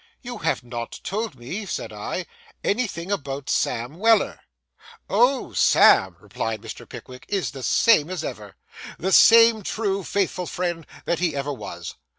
'You have not told me,' said I, 'anything about Sam Weller.' 'O! Sam,' replied Mr. Pickwick, 'is the same as ever. The same true, faithful fellow that he ever was.